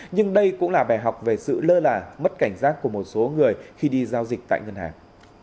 nhưng đây cũng là bài học về sự lơ là mất cảnh giác của một số người khi đi giao dịch tại ngân hàng